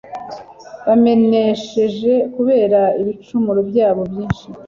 bameneshe kubera ibicumuro byabo byinshi